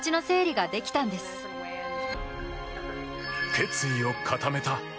決意を固めた。